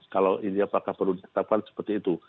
kalau ini apakah perlu ditetapkan seperti itu